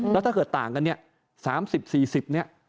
แล้วถ้าเกิดต่างกันเนี่ย๓๐๔๐เนี่ย